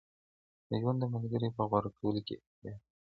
د ژوند د ملګري په غوره کولو کي احتياط وکړئ.